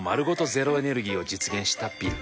ゼロエネルギーを実現したビル。